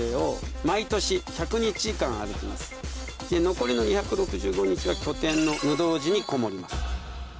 残りの２６５日は拠点の無動寺にこもります。